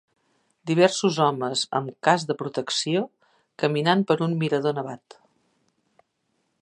Diversos homes amb cas de protecció caminant per un mirador nevat.